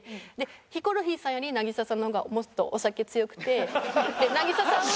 ヒコロヒーさんより渚さんの方がもっとお酒強くてで渚さんは。